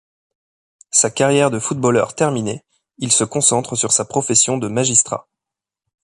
Sa carrière de footballeur terminée, il se concentre sur sa profession de magistrat.